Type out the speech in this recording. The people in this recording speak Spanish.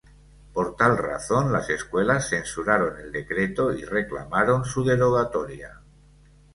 Por tal razón, las escuelas censuraron el decreto y reclamaron su derogatoria.